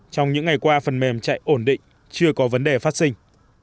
trong những ngày qua phần mềm chạy ổn định chưa có vấn đề phát sinh